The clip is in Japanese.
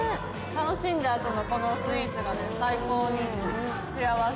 楽しんだ後のこのスイーツが最高に幸せ。